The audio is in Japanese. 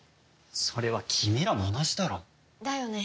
それは君らも同じだろう。だよね。